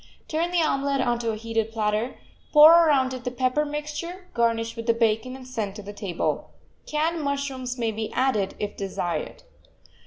Turn the omelet onto a heated platter, pour around it the pepper mixture, garnish with the bacon, and send to the table. Canned mushrooms may be added, if desired.